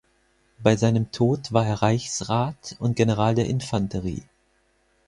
Bei seinem Tod war er Reichsrat und General der Infanterie.